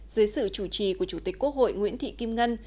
dưới sự chủ trì của chủ tịch quốc hội nguyễn thị kim ngân